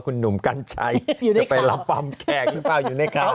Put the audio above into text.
คุณหนุ่มกัญชัยจะไปรับปั๊มแขกหรือเปล่าอยู่ในข่าว